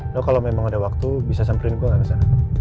lo kalau memang ada waktu bisa samperin gue gak kesana